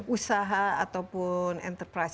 usaha ataupun enterprise